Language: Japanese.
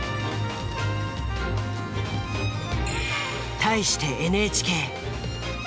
対してＮＨＫ。